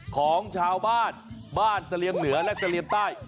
ของชาวบ้านบ้านเสลียงเหนือและเสลี่ยมใต้